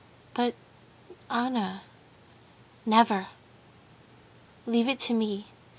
"But, Anna...." "Never. Leave it to me.